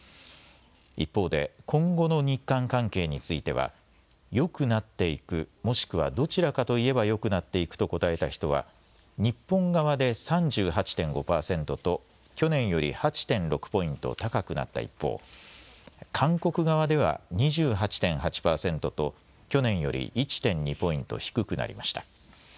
一方で今後の日韓関係についてはよくなっていく、もしくはどちらかといえばよくなっていくと答えた人は日本側で３８．５％と去年より８．６ポイント高くなった一方、韓国側では２８．８％と去年より１．２ポイント低くなりました。